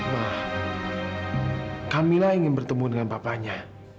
ma kamila ingin bertemu dengan papanya